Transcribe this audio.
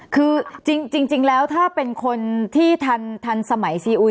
คือจริงแล้วถ้าเป็นคนที่ทันสมัยซีอุย